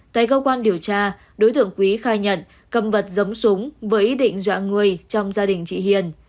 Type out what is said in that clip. tại cơ quan điều tra đối tượng quý khai nhận cầm vật giống súng với ý định dọa người trong gia đình chị hiền